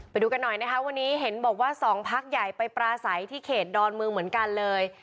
ไปดูกันหน่อยนะคะวันนี้เห็นบอกว่าสองพักใหญ่ไปปราศัยที่เขตดอนเมืองเหมือนกันเลย